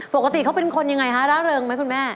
ปกติเขาเป็นคนยังไงฮะร่าเริงไหมคุณแม่